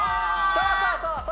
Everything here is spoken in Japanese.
そうそうそう！